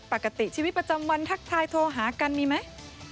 ปกติชีวิตประจำวันทักทายโทรหากันมีไหม